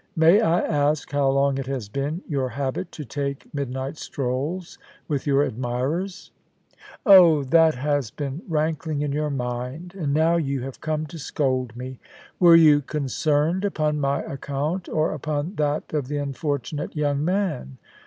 May I ask how long it has been your habit to take midnight strolls with your admirers ?Oh, that has been rankling in your mind, and now you have come to scold me. Were you concerned upon my account or upon that of the unfortunate young man